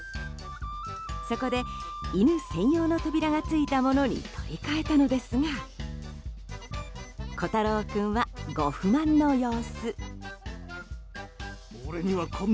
そこで犬専用の扉がついたものに取り替えたのですがこたろう君は、ご不満の様子。